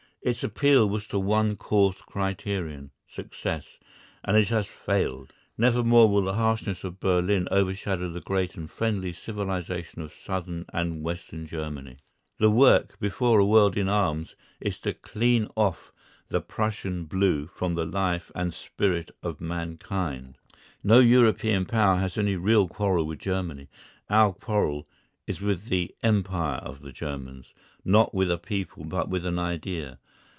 Its appeal was to one coarse criterion, success, and it has failed. Nevermore will the harshness of Berlin overshadow the great and friendly civilisation of Southern and Western Germany. The work before a world in arms is to clean off the Prussian blue from the life and spirit of mankind. No European Power has any real quarrel with Germany. Our quarrel is with the Empire of the Germans, not with a people but with an idea.